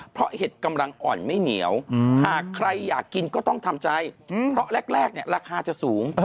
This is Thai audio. เพราะเห็ดกำลังอ่อนไม่เหนียวหากใครอยากกินก็ต้องทำใจเพราะแรกเนี่ยราคาจะสูง